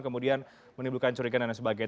kemudian menimbulkan curiga dan lain sebagainya